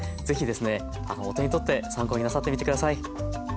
是非ですねお手にとって参考になさってみて下さい。